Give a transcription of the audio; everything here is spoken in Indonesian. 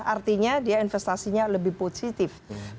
artinya dia investasinya lebih positif